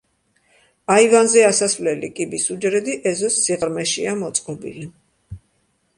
აივანზე ასასვლელი კიბის უჯრედი ეზოს სიღრმეშია მოწყობილი.